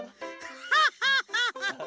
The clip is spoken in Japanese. ハハハハ！